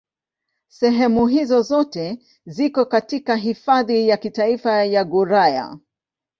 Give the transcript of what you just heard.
Sehemu hizo zote ziko katika Hifadhi ya Kitaifa ya Gouraya.